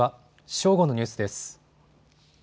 正午のニュースです。